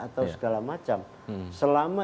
atau segala macam selama